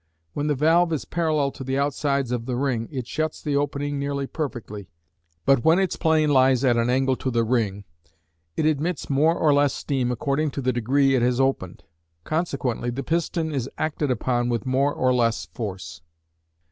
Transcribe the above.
When the valve is parallel to the outsides of the ring, it shuts the opening nearly perfectly; but when its plane lies at an angle to the ring, it admits more or less steam according to the degree it has opened; consequently the piston is acted upon with more or less force.